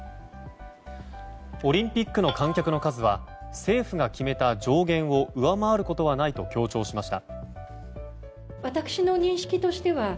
オリンピックの観客の数は政府が決めた上限を上回ることはないと強調しました。